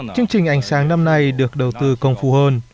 chương trình ánh sáng năm nay được đầu tư công phu hơn